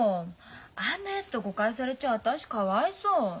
あんなやつと誤解されちゃ私かわいそう。